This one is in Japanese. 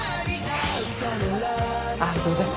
あっすいません。